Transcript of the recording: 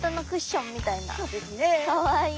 かわいい！